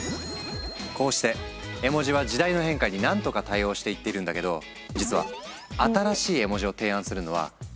こうして絵文字は時代の変化に何とか対応していってるんだけど実は新しい絵文字を提案するのは一般の人でも可能なの。